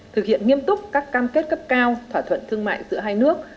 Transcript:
thực hiện nghiêm túc các cam kết cấp cao thỏa thuận thương mại giữa hai nước